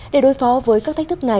để đối phó với các thách thức